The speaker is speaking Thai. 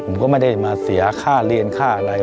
ผมก็ไม่ได้มาเสียค่าเรียนค่าอะไร